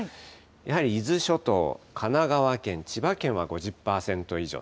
やはり伊豆諸島、神奈川県、千葉県は５０％以上。